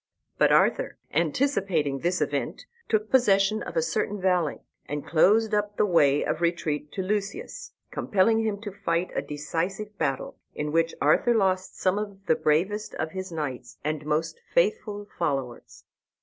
But Arthur, anticipating this event, took possession of a certain valley, and closed up the way of retreat to Lucius, compelling him to fight a decisive battle, in which Arthur lost some of the bravest of his knights and most faithful followers.